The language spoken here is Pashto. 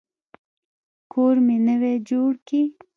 کور مي نوی جوړ کی.